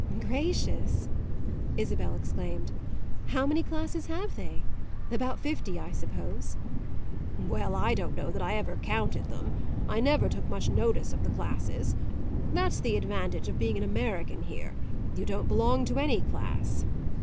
"Gracious," Isabel exclaimed; "how many classes have they? About fifty, I suppose." "Well, I don't know that I ever counted them. I never took much notice of the classes. That's the advantage of being an American here; you don't belong to any class."